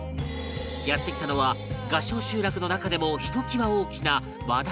やって来たのは合掌集落の中でもひときわ大きな和田家